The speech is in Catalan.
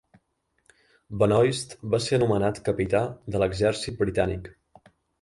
Benoist va ser anomenat capità de l'exèrcit britànic.